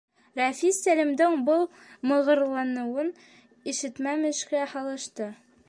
Рәфис Сәлимдең был мығырланыуын ишетмәмешкә һалышты.